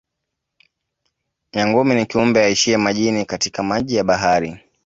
Nyangumi ni kiumbe aishiye majini katika maji ya bahari